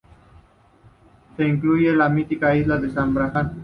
Se incluye la mítica Isla de San Brandán.